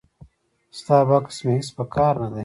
ستا بکس مې هیڅ په کار نه دی.